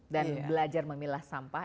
dan belajar memilah sampah